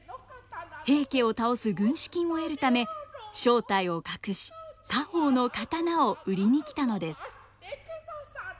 平家を倒す軍資金を得るため正体を隠し家宝の刀を売りに来たのです。